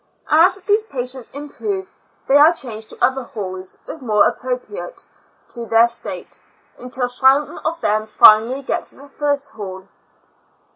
As these patients improve, they are changed to other halls more appropriate to their state, until some of them finally get to the first hall.